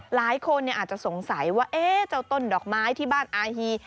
หลายคนอาจจะสงสัยว่าเจ้าต้นดอกไม้ที่บ้านอาฮี